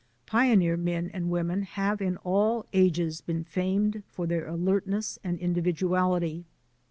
Pioneer men and women have in all ages been famed for their alertness and individuality.